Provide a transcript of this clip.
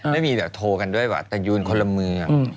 ไม่มีแบบโทรกันด้วยว่ะแต่ยืนคนละมือ